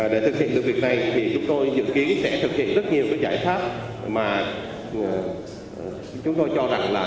để thực hiện được việc này thì chúng tôi dự kiến sẽ thực hiện rất nhiều cái giải pháp mà chúng tôi cho rằng là